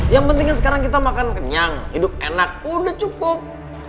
yang pentingnya sekarang kita makan kenyang hidup enak udah cukup